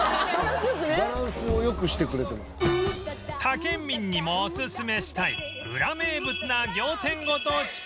他県民にもおすすめしたいウラ名物な仰天ご当地パン